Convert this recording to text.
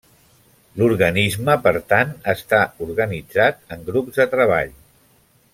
L'organisme per tant està organitzat en grups de treball.